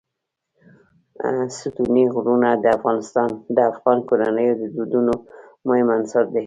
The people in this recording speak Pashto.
ستوني غرونه د افغان کورنیو د دودونو مهم عنصر دی.